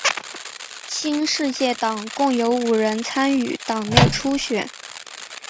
新世界党共有五人参与党内初选。